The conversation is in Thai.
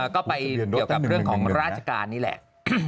ก็ไปเกี่ยวกับเรื่องของราชการนี่แหละ